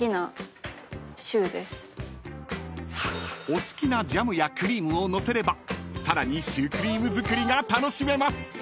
［お好きなジャムやクリームを載せればさらにシュークリーム作りが楽しめます］